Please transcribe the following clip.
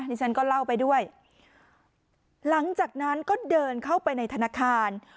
ที่ฉันก็เล่าไปด้วยหลังจากนั้นก็เดินเข้าไปในธนาคาร